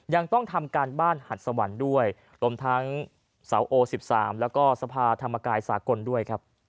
ยังต้องทำการบ้านหัดสวรรค์ด้วยรวมทั้งเสาโอ๑๓แล้วก็สภาธรรมกายสากลด้วยครับ